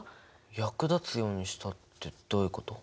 役立つようにしたってどういうこと？